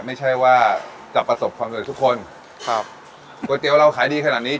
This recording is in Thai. ไม่ใช่ว่าจะประสบความสำเร็จทุกคนครับก๋วยเตี๋ยวเราขายดีขนาดนี้